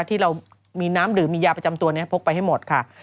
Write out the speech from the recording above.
ที่เรามีน้ำดื่มมียาประจำตัวนี้พกไปให้หมดค่ะ